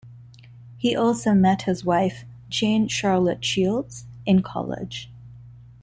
He also met his wife, Jane Charlotte Shields, in college.